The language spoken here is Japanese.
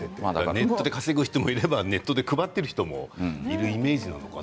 ネットで稼ぐ人もいればネットで配っている人もいるイメージなんですね。